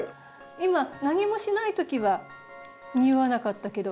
今何もしないときは匂わなかったけど。